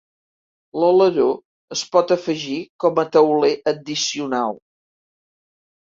L'aleró es pot afegir com a tauler addicional.